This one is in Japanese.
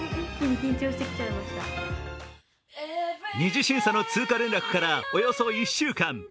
２次審査の通過連絡からおよそ１週間。